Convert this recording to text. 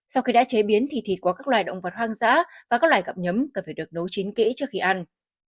sau khi đã chế biến thì thịt có các loài động vật hoang dã và các loài gặm nhấm cần phải được nấu chín kỹ trước khi ăn